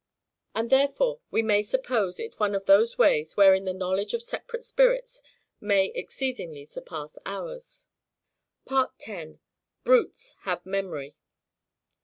And therefore we may suppose it one of those ways, wherein the knowledge of separate spirits may exceedingly surpass ours. 10. Brutes have Memory.